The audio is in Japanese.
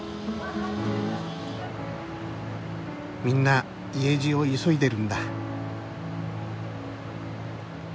みんな家路を急いでるんだ。